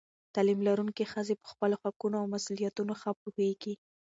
تعلیم لرونکې ښځې پر خپلو حقونو او مسؤلیتونو ښه پوهېږي.